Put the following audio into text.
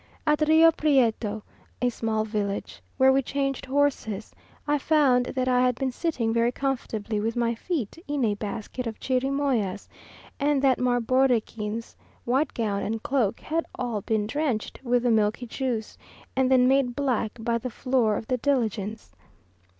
At Rio Prieto, a small village, where we changed horses, I found that I had been sitting very comfortably with my feet in a basket of chirimoyas, and that my bordequins, white gown, and cloak, had been all drenched with the milky juice, and then made black by the floor of the diligence.